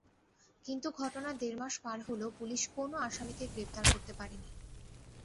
কিন্তু ঘটনার দেড় মাস পার হলেও পুলিশ কোনো আসামিকে গ্রেপ্তার করতে পারেনি।